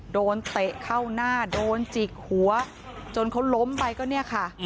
เตะเข้าหน้าโดนจิกหัวจนเขาล้มไปก็เนี่ยค่ะ